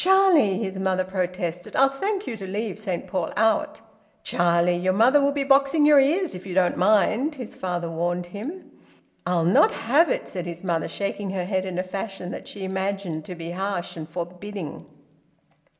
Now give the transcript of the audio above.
"Charlie!" his mother protested. "I'll thank you to leave Saint Paul out." "Charlie! Your mother will be boxing your ears if you don't mind," his father warned him. "I'll not have it!" said his mother, shaking her head in a fashion that she imagined to be harsh and forbidding.